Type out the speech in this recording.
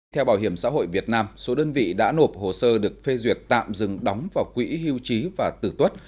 theo bảo hiểm xã hội việt nam số đơn vị đã nộp hồ sơ được phê duyệt tạm dừng đóng vào quỹ hưu trí và tử tuất